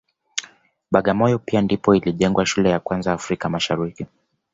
Bagamoyo pia ndipo ilijengwa shule ya kwanza Afrika Mashariki